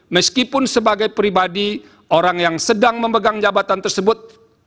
meskipun sebagai pribadi orang yang sedang memegang jabatan tersebut